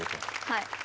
はい。